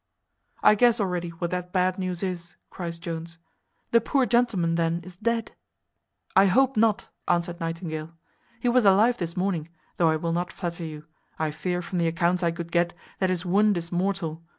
"I guess already what that bad news is," cries Jones. "The poor gentleman then is dead." "I hope not," answered Nightingale. "He was alive this morning; though I will not flatter you; I fear, from the accounts I could get, that his wound is mortal.